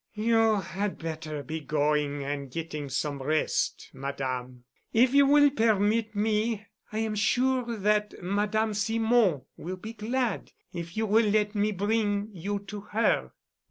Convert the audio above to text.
"You had better be going and getting some rest, Madame. If you will permit me. I am sure that Madame Simon will be glad if you will let me bring you to her."